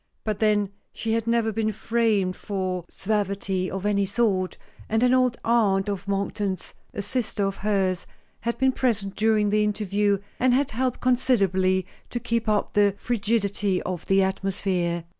But then she had never been framed for suavity of any sort; and an old aunt of Monkton's, a sister of hers, had been present during the interview, and had helped considerably to keep up the frigidity of the atmosphere.